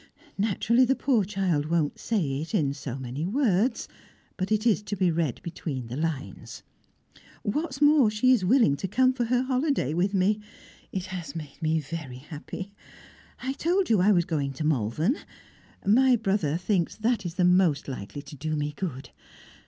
Naturally, the poor child won't say it in so many words, but it is to be read between the lines. What's more, she is willing to come for her holiday with me! It has made me very happy! I told you I was going to Malvern; my brother thinks that is most likely to do me good.